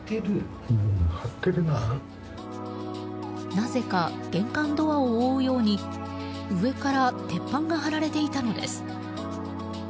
なぜか玄関ドアを覆うように上から鉄板が張られていたのです。